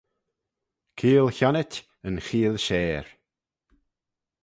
Keeayl chionnit yn cheeayl share,